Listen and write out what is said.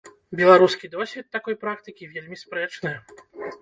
Беларускі досвед такой практыкі вельмі спрэчны.